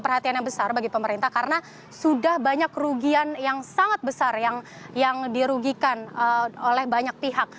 perhatian yang besar bagi pemerintah karena sudah banyak kerugian yang sangat besar yang dirugikan oleh banyak pihak